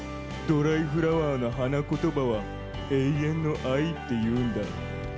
ドライフラワーの花言葉は永遠の愛っていうんだ」